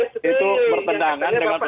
itu bertentangan dengan demokrasi